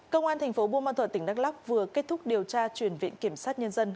công an tp buôn ma thuật tỉnh đắk lóc vừa kết thúc điều tra truyền viện kiểm soát nhân dân